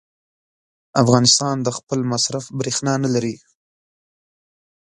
افغانستان د خپل مصرف برېښنا نه لري.